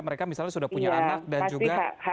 mereka misalnya sudah punya anak dan juga